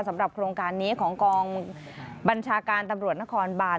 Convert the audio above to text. สำหรับโครงการนี้ของกองบัญชาการตำรวจนครบาน